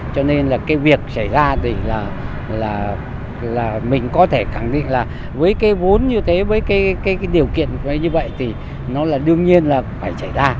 cho nên việc xảy ra thì mình có thể khẳng định là với cái vốn như thế với cái điều kiện như vậy thì nó đương nhiên là phải xảy ra